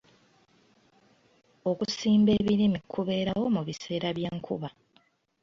Okusimba ebirime kubeerawo mu biseera by'enkuba.